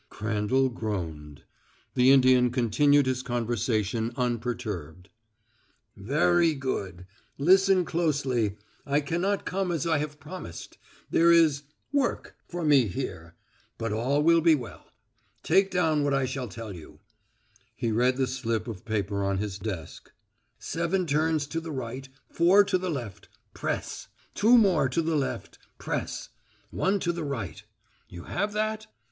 Crandall groaned. The Indian continued his conversation unperturbed. "Veree good! Listen closely. I can not come as I have promised. There is work for me here. But all will be well. Take down what I shall tell you." He read from the slip of paper on the desk. "Seven turns to the right, four to the left press! Two more to the left press! One to the right. You have that?